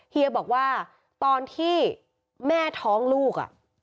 เฮียบอกว่าตอนที่แม่ท้องลูก